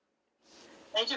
大丈夫？